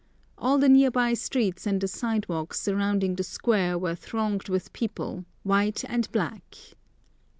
All the near by streets and the sidewalks surrounding the square were thronged with people, white and black.